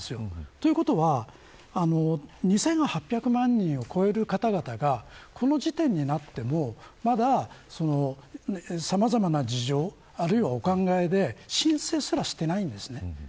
ということは２８００万人を超える方々がこの時点になっても、まださまざまな事情あるいはお考えで申請すらしていないです。